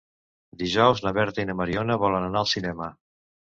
Dijous na Berta i na Mariona volen anar al cinema.